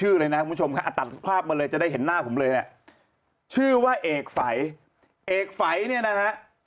เอกไฝเนี่ยนะครับ